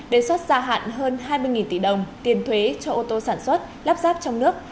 đề xuất gia hạn hơn hai mươi tỷ đồng tiền thuế cho ô tô sản xuất lắp ráp trong nước